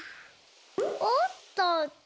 おっとっと。